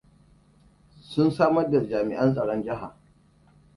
Sun samar da jami'an tsaron jiha.